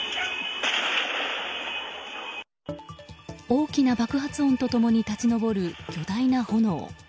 大きな爆発音と共に立ち上ぼる、巨大な炎。